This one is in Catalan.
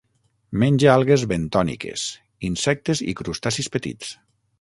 Menja algues bentòniques, insectes i crustacis petits.